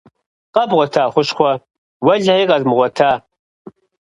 Къэбгъуэта хущхъуэ? - Уэлэхьи, къэзмыгъуэта!